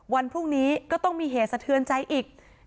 วันพรุ่งนี้ก็ต้องมีเหตุสะเทือนใจอีก